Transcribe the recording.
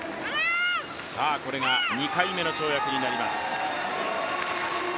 これが２回目の跳躍になります。